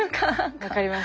分かります。